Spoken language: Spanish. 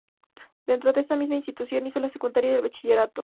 Dentro de esta misma institución hizo la secundaria y el bachillerato.